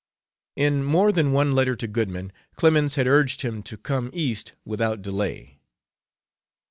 In more than one letter to Goodman, Clemens had urged him to come East without delay.